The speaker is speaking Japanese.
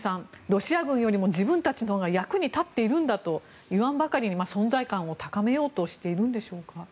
ロシア軍よりも自分たちのほうが役に立っているんだといわんばかりに存在感を高めようとしているんでしょうか。